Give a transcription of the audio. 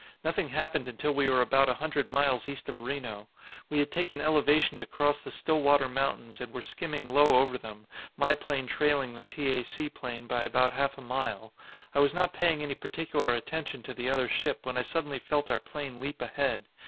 Nothing happened until we were about a hundred miles east of Reno. We had taken elevation to cross the Stillwater Mountains and were skimming low over them, my plane trailing the T. A. C. plane by about half a mile. I was not paying any particular attention to the other ship when I suddenly felt our plane leap ahead.